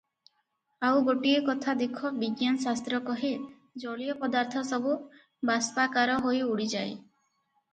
ଆଉ ଗୋଟିଏ କଥା ଦେଖ ବିଜ୍ଞାନଶାସ୍ତ୍ର କହେ, ଜଳୀୟ ପଦାର୍ଥ ସବୁ ବାଷ୍ପାକାର ହୋଇ ଉଡ଼ିଯାଏ ।